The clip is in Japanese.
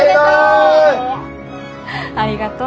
ありがとう。